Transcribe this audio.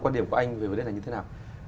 quan điểm của anh về vấn đề này như thế nào